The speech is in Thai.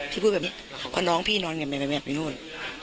พี่พูดแบบนี้เพราะน้องพี่นอนอยู่แบบนี้นู่น